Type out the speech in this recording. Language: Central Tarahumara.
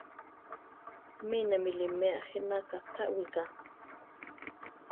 Mi ne miʼliméa je na katá wiʼká.